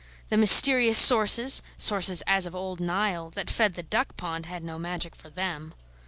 The mysterious sources sources as of old Nile that fed the duck pond had no magic for them.